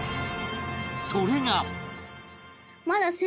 それが